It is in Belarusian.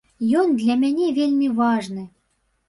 Ён для мяне вельмі важны.